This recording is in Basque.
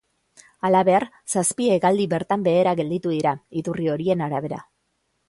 Halaber, zazpi hegaldi bertan behera gelditu dira, iturri horien arabera.